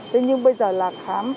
thế nhưng bây giờ là khám